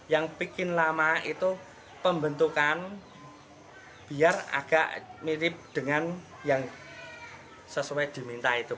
yang bikin lama itu pembentukan biar agak mirip dengan yang sesuai diminta itu